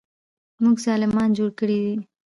موږ ظالمان جوړ کړي دي.